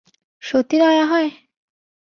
সত্যি দয়া হয়?